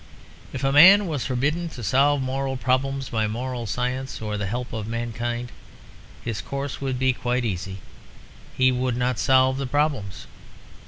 If a man was forbidden to solve moral problems by moral science or the help of mankind, his course would be quite easy he would not solve the problems.